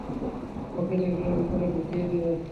ওকে দেখলে ভেতরে ঢুকিয়ে দেবে।